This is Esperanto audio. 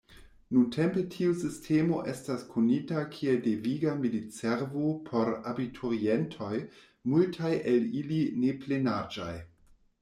Nuntempe tiu sistemo estas konita kiel deviga militservo por abiturientoj, multaj el ili neplenaĝaj.